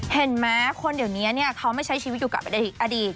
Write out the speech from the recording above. เห็นไหมคนเดี๋ยวนี้เขาไม่ใช้ชีวิตอยู่กับอดีต